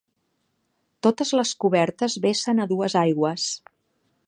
Totes les cobertes vessen a dues aigües.